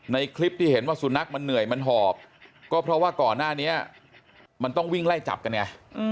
ในคลิปที่เห็นว่าสุนัขมันเหนื่อยมันหอบก็เพราะว่าก่อนหน้านี้มันต้องวิ่งไล่จับกันไง